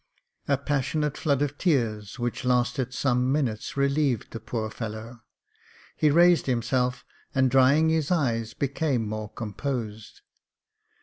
A passionate flood of tears, which lasted some minutes, relieved the poor fellow; he raised himself, and drying his eyes, became more composed.